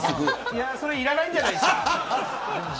それはいらないんじゃないですか。